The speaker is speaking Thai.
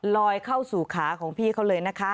เข้าสู่ขาของพี่เขาเลยนะคะ